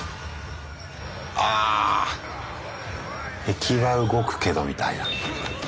あ敵は動くけどみたいな。